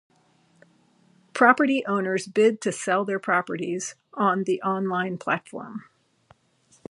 Property owners bid to sell their properties on the online platform.